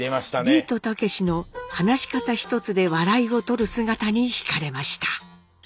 ビートたけしの話し方ひとつで笑いをとる姿にひかれました。